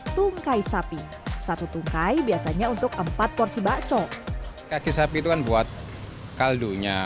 tungkai sapi satu tungkai biasanya untuk empat porsi bakso kaki sapi itu kan buat kaldunya